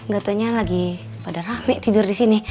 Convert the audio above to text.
gak taunya lagi pada rame tidur disini